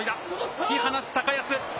突き放す高安。